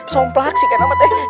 semplak sikana mah teh